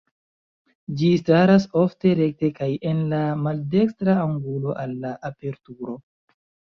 Ĝi staras ofte rekte kaj en la maldekstra angulo al la aperturo.